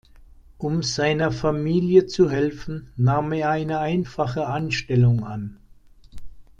Um seiner Familie zu helfen, nahm er eine einfache Anstellung an.